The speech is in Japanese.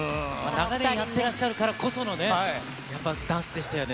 長年やってらっしゃるからこそのね、やっぱりダンスでしたよね。